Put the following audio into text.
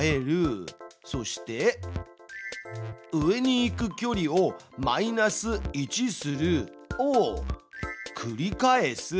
そして「上に行く距離をマイナス１する」を「繰り返す」。